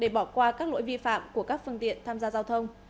để bỏ qua các lỗi vi phạm của các phương tiện tham gia giao thông